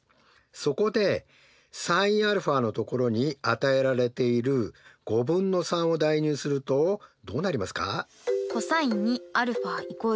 そこでｓｉｎαのところに与えられている５分の３を代入するとどうなりますか？